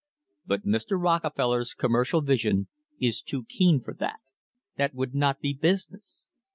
But Mr. Rockefeller's commercial vision is too keen for that; that would not be business.